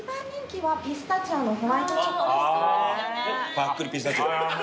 ぱっくりピスタチオ。